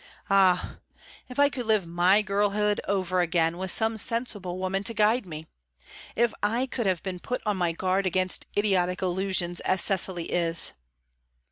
Ah! if I could live my girlhood over again, and with some sensible woman to guide me! If I could have been put on my guard against idiotic illusions, as Cecily is!"